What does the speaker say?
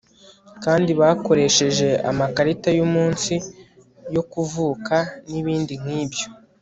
kandi bakoresheje amakarita yumunsi yo kuvuka nibindi nkibyo